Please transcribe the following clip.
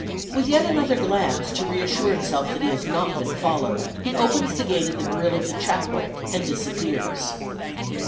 With yet another glance to reassure himself that he has not been followed, he opens the gate in the grille of the chapel and disappears.